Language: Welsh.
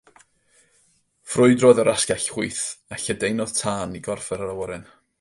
Ffrwydrodd yr asgell chwith a lledaenodd tân i gorff yr awyren.